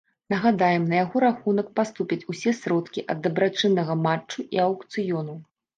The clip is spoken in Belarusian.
Нагадаем, на яго рахунак паступяць усе сродкі ад дабрачыннага матчу і аўкцыёну.